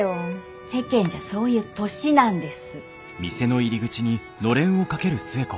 世間じゃそういう年なんです。